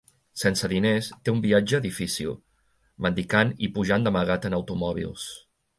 Sense diners, té un viatge difícil, mendicant i pujant d'amagat en automòbils.